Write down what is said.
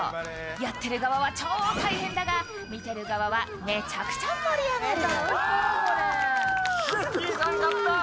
やってる側は超大変だが、見てる側はめちゃくちゃ盛り上がる。